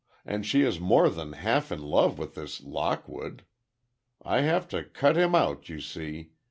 And she is more than half in love with this Lockwood. I have to cut him out, you see.